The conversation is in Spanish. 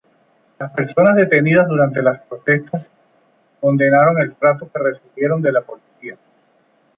Las personas detenidas durante las protestas condenaron el trato que recibieron de la policía.